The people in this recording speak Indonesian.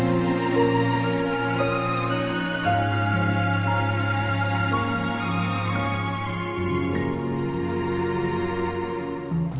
aku sudah selesai